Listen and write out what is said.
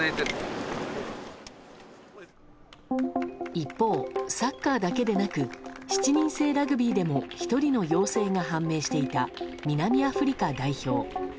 一方、サッカーだけでなく７人制ラグビーでも１人の陽性が判明していた南アフリカ代表。